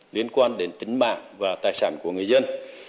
liên quan đến tính mạng và tài sản của người dân